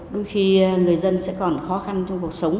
đôi khi người dân sẽ còn khó khăn trong cuộc sống